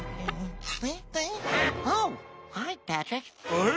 あれ？